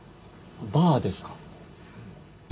バーですか？